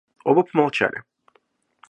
Оба помолчали.